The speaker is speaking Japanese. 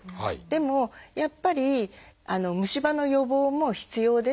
でもやっぱり虫歯の予防も必要ですから。